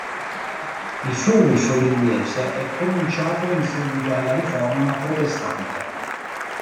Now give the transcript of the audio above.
Il suo uso in inglese è cominciato in seguito alla Riforma protestante.